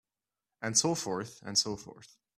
And so forth and so forth.